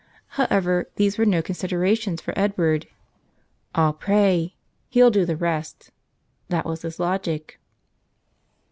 However, these were no considerations for Edward. "I'll pray; he'll do the rest." That was his logic.